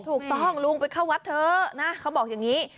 ถูกต้องลุงไปเข้าวัดเถอะนะเขาบอกอย่างนี้